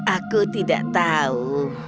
aku tidak tahu